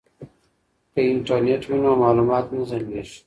که انټرنیټ وي نو معلومات نه ځنډیږي.